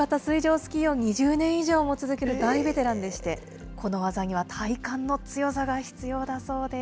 スキーを２０年以上続ける大ベテランでして、この技には体幹の強さが必要だそうです。